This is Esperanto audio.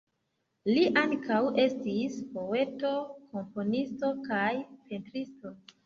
Li ankaŭ estis poeto, komponisto kaj pentristo.